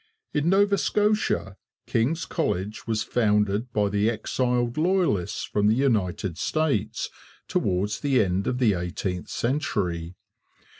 In Nova Scotia, King's College was founded by the exiled Loyalists from the United States towards the end of the eighteenth century.